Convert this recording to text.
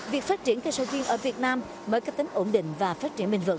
việc phát triển cây sầu riêng ở việt nam mới kết tính ổn định và phát triển bình vững